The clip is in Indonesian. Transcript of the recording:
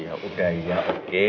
ya udah ya oke